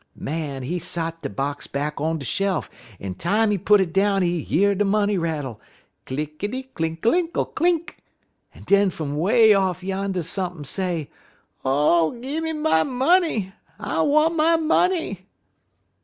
_' "Man, he sot de box back on de shel uf, en time he put it down he year de money rattle clinkity, clinkalinkle, clink! en den fum 'way off yander sump'n' say: "'_Oh, gim me my money! I want my money!